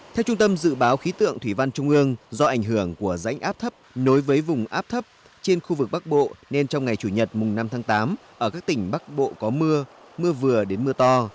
theo trung tâm dự báo khí tượng thủy văn trung ương do ảnh hưởng của rãnh áp thấp nối với vùng áp thấp trên khu vực bắc bộ nên trong ngày chủ nhật mùng năm tháng tám ở các tỉnh bắc bộ có mưa mưa vừa đến mưa to